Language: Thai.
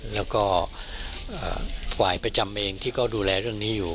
แล้วก็ฝ่ายประจำเองที่เขาดูแลเรื่องนี้อยู่